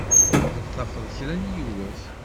Ad tafeḍ kra n yiwet.